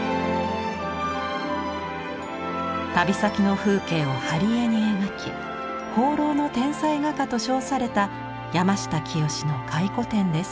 旅先の風景を貼絵に描き放浪の天才画家と称された山下清の回顧展です。